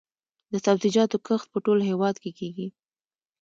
د سبزیجاتو کښت په ټول هیواد کې کیږي